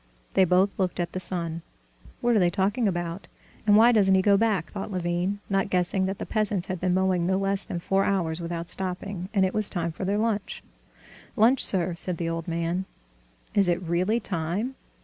They both looked at the sun. "What are they talking about, and why doesn't he go back?" thought Levin, not guessing that the peasants had been mowing no less than four hours without stopping, and it was time for their lunch. "Lunch, sir," said the old man. "Is it really time?